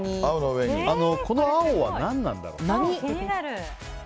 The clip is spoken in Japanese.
この青は、何なんだろう？